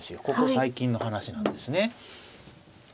ここ最近の話なんですね。